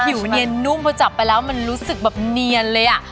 เนียนนุ่มพอจับไปแล้วมันรู้สึกแบบเนียนเลยอ่ะ